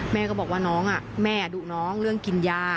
แม่ก็บอกว่าน้องแม่ดุน้องเรื่องกินยา